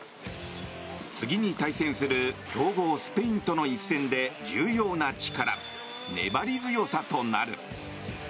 次に対戦する強豪スペインとの一戦で重要な力、粘り強さとなる。